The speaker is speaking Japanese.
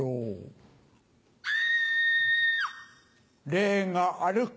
・霊が歩く